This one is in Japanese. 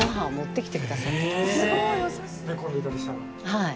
はい。